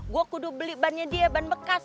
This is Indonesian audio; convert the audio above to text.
gue kudu beli bannya dia ban bekas